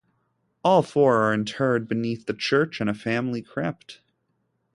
All four are interred beneath the church in a family crypt.